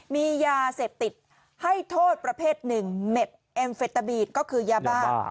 มียาเสพติดให้โทษประเภทหนึ่งเม็ดเอ็มเฟตาบีดก็คือยาบ้า